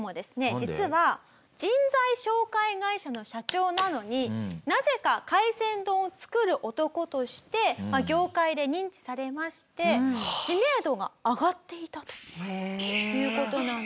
実は「人材紹介会社の社長なのになぜか海鮮丼を作る男」として業界で認知されまして知名度が上がっていたという事なんですよね。